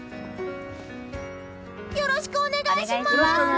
よろしくお願いします！